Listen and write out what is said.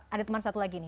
ada teman satu lagi nih